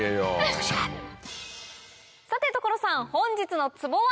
さて所さん本日のツボは？